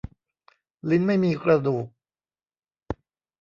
ลิ้นไม่มีกระดูก